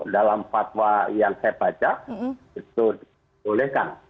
dalam fatwa yang saya baca itu dibolehkan